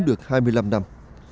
được hai mươi năm năm